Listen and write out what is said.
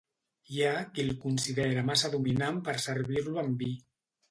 Hi ha qui el considera massa dominant per servir-lo amb vi.